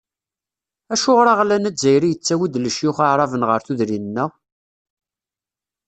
Acuɣer aɣlan azzayri yettawi-d lecyux aɛraben ɣer tudrin-nneɣ?